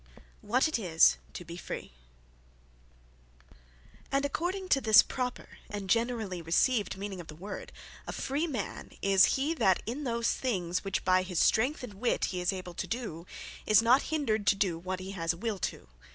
What It Is To Be Free And according to this proper, and generally received meaning of the word, A FREE MAN, is "he, that in those things, which by his strength and wit he is able to do, is not hindred to doe what he has a will to."